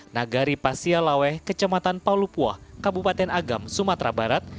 nagari pasialawe kecematan paulupuah kabupaten agam sumatera barat